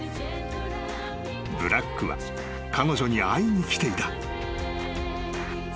［ブラックは彼女に会いに来ていた］